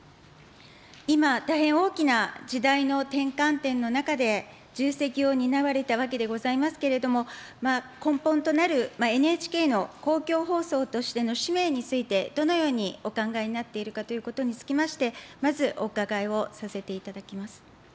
今、大変大きな時代の転換点の中で、重責を担われたわけでございますけれども、根本となるＮＨＫの公共放送としての使命について、どのようにお考えになっているかということにつきまして、まずお伺いをさせていただきます。